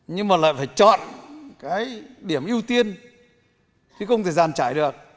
nhưng mà lại phải chọn cái điểm ưu tiên khi không thời gian trải được